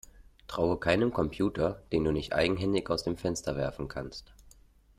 Traue keinem Computer, den du nicht eigenhändig aus dem Fenster werfen kannst!